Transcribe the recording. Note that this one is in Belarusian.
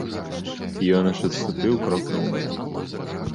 Ён аж адступіў крок назад.